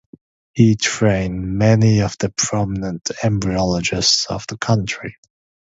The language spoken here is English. He trained many of the prominent embryologists of the country.